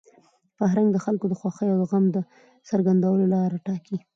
فرهنګ د خلکو د خوښۍ او غم د څرګندولو لاره ټاکي.